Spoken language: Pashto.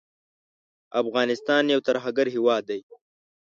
افغانستان یو ترهګر هیواد دی